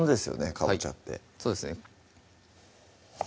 かぼちゃそうですね